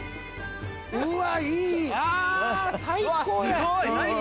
うわっ、いい！